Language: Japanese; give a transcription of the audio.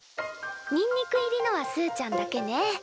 にんにく入りのはすーちゃんだけね。